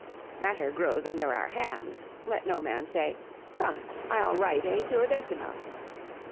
—Matter grows under our hands.—Let no man say,—"Come—I'll write a duodecimo."